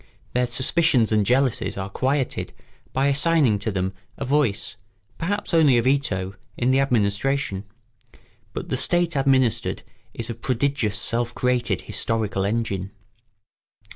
Their suspicions and jealousies are quieted by assigning to them a voice, perhaps only a veto, in the administration; but the state administered is a prodigious self created historical engine.